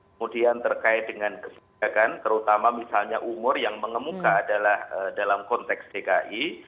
kemudian terkait dengan kebijakan terutama misalnya umur yang mengemuka adalah dalam konteks dki